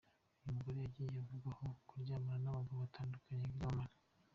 Uyu mugore yagiye avugwaho kuryamana n’abagabo batandukanye b’ibyamamare.